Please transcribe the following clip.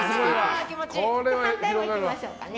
反対もいきましょうかね。